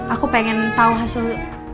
aku pengen tau hasil